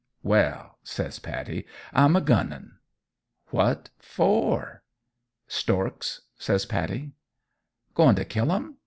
"Well," says Pattie, "I'm gunnin'." "What for?" "Storks," says Pattie. "Goin' t' kill 'em?"